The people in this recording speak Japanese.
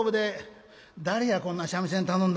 「誰やこんな三味線頼んだ。